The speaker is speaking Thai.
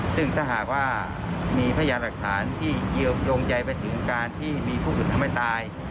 ซึ่งถ้าหากว่ามีพยานหลักฐานที่โยงใจไปถึงการที่มีผู้อื่นทำให้ตาย